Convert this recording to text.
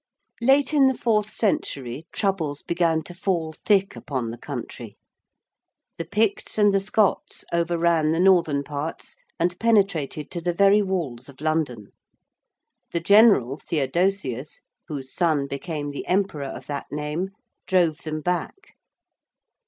Late in the fourth century troubles began to fall thick upon the country. The Picts and the Scots overran the northern parts and penetrated to the very walls of London. The general Theodosius, whose son became the emperor of that name, drove them back.